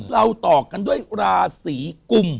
เราต่อกันด้วยราศีกุม